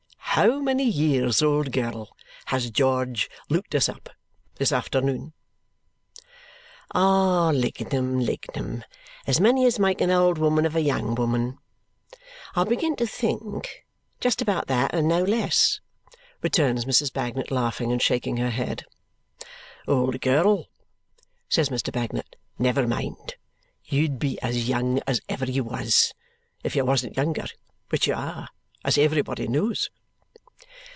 How many years, old girl. Has George looked us up. This afternoon?" "Ah, Lignum, Lignum, as many as make an old woman of a young one, I begin to think. Just about that, and no less," returns Mrs. Bagnet, laughing and shaking her head. "Old girl," says Mr. Bagnet, "never mind. You'd be as young as ever you was. If you wasn't younger. Which you are. As everybody knows."